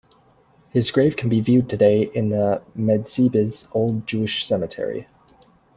His grave can be viewed today in the Medzhybizh old Jewish cemetery.